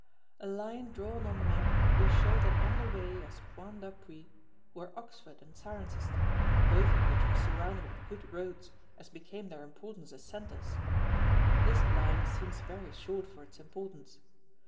A line drawn on the map will show that on the way as points d'appui, were Oxford and Cirencester, both of which were surrounded with good roads as became their importance as centres. This line seems very short for its importance.